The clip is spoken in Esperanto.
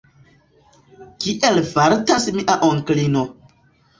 Kiel fartas mia onklino?